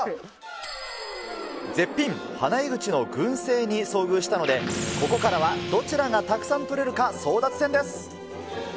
絶品、ハナイグチの群生に遭遇したので、ここからはどちらがたくさん採れるか、争奪戦です。